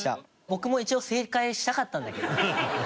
僕も一応正解したかったんだけど。